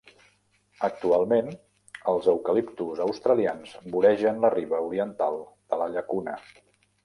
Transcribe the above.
Actualment, els eucaliptus australians voregen la riba oriental de la llacuna.